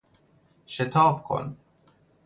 شتاب کن!